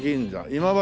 今治